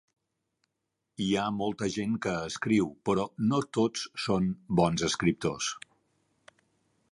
Hi ha molta gent que escriu, però no tots són bons escriptors.